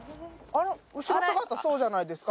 あの後ろ姿そうじゃないですか？